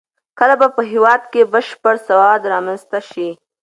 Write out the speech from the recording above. کله به په هېواد کې بشپړ سواد رامنځته شي؟